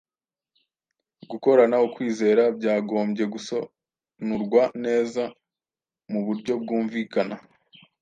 Gukorana ukwizera byagombye gusonurwa neza mu buryo bwumvikana.